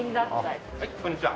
はいこんにちは。